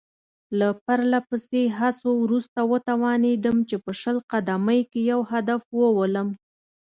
له پرله پسې هڅو وروسته وتوانېدم چې په شل قدمۍ کې یو هدف وولم.